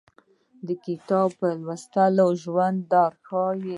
د کتاب لوستل ژوند درښایي